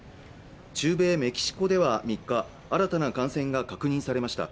中米メキシコでは３日新たな感染が確認されました